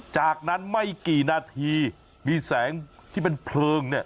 จากนั้นไม่กี่นาทีมีแสงที่เป็นเพลิงเนี่ย